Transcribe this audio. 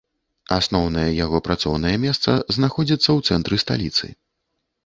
Асноўнае яго працоўнае месца знаходзіцца ў цэнтры сталіцы.